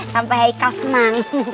sampai haikal senang